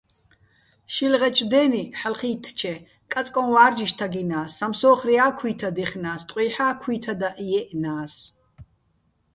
შილღეჩო̆ დე́ნი, ჰ̦ალო̆ ჴი́თთჩე, კაწკოჼ ვა́რჯიშ თაგჲინა́ს, სამსო́ხრია́ ქუჲთად ჲეხნა́ს, ტყუჲჰ̦ა́ ქუჲთადაჸ ჲე́ჸნა́ს.